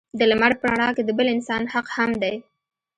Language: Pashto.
د لمر په رڼا کې د بل انسان حق هم دی.